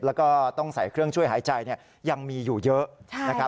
แล้วก็ต้องใส่เครื่องช่วยหายใจยังมีอยู่เยอะนะครับ